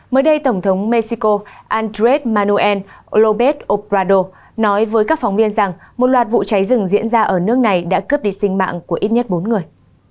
mới đây tổng thống mexico andres manuel olybeth oprado nói với các phóng viên rằng một loạt vụ cháy rừng diễn ra ở nước này đã cướp đi sinh mạng của ít nhất bốn người